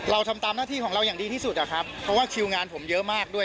เราทำตามหน้าที่ของเราอย่างดีที่สุดอะครับเพราะว่าคิวงานผมเยอะมากด้วย